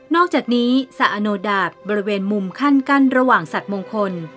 อกจากนี้สะอโนดาตบริเวณมุมขั้นกั้นระหว่างสัตว์มงคล